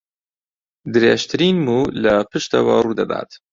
درێژترین موو لە پشتەوە ڕوو دەدات